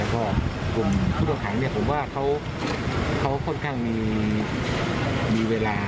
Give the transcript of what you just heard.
แล้วก็กลุ่มผู้ถูกคุมขังเนี่ยผมว่าเขาค่อนข้างมีเวลา